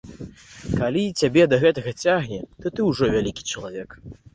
Калі цябе да гэтага цягне, то ты ўжо вялікі чалавек.